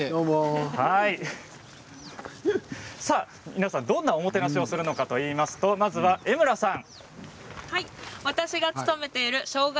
皆さんどんなおもてなしをするのかといいますと江邑さん。